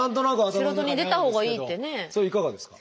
それはいかがですか？